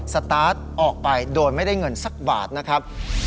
สตาร์ทออกไปโดยไม่ได้เงินสักบาทนะครับ